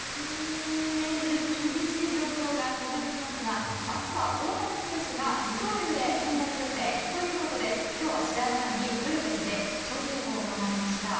厳しい状況が続いていますが明日は大谷選手が二刀流で先発予定ということでということで今日は試合前にブルペンで調整を行いました。